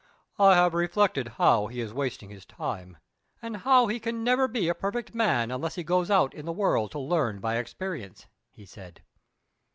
"I have reflected how he is wasting his time, and how he can never be a perfect man unless he goes out in the world to learn by experience," he said.